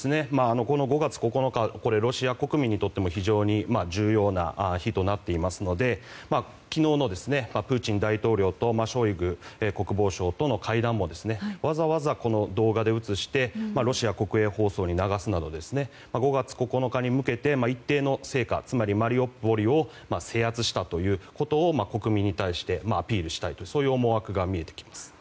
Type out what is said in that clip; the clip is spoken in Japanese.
５月９日はロシア国民にとっても非常に重要な日となっていますので昨日のプーチン大統領とショイグ国防相との会談もわざわざ動画で映してロシア国営放送に流すなど５月９日に向けて一定の成果、つまりマリウポリを制圧したということを国民に対してアピールしたいという思惑が見えてきます。